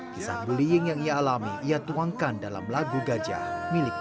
kisah bullying yang ia alami ia tuangkan dalam lagu gajah miliknya